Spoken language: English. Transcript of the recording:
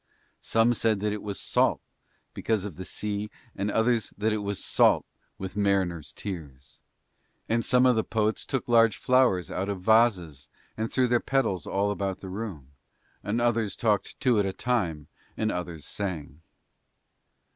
Some said that it was salt because of the sea and others that it was salt with mariners' tears. And some of the poets took large flowers out of vases and threw their petals all about the room, and others talked two at a time and other sang.